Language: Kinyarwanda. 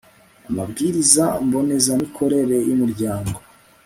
amabwiriza mbonezamikorere y umuryango